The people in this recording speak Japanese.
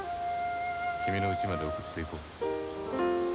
君のうちまで送っていこう。